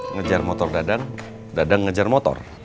ngejar motor dadang dadang ngejar motor